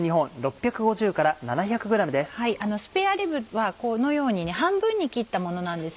スペアリブはこのように半分に切ったものなんです